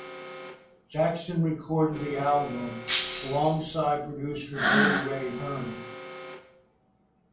Jackson recorded the album alongside producer Billy Ray Hearn.